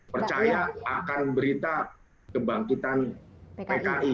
percaya akan berita kebangkitan pki